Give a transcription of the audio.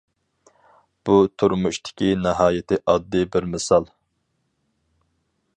بۇ تۇرمۇشتىكى ناھايىتى ئاددىي بىر مىسال.